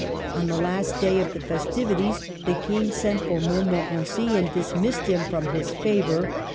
On the last day of the festivities the King sent for Montmorency and dismissed him from his favor.